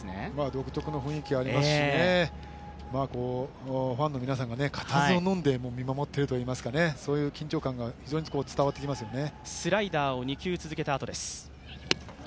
独特の雰囲気ありますしね、ファンの皆さんが固唾をのんで見守っているといいますかね、そういう緊張感が非常に伝わってきますよね。